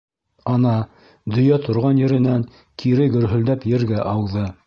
Ана, дөйә торған еренән кире гөрһөлдәп ергә ауҙы.